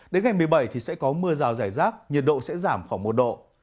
đến ngày một mươi bảy thì sẽ có mưa rào rải rác nhiệt độ sẽ giảm khoảng một độ